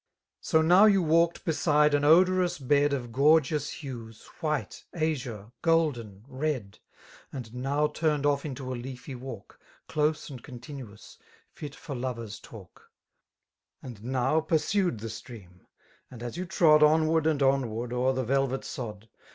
So now you walked beside an odorous bed Of gorgeous hues, white, ftzure, golden, red; And now turned o£f into a leaiy walk. Close and continuous, fit for lovers' talk; ; er t ^ And now pursued the stream#B^HMU you trod Onward and onward o'er ihj» T^vet sod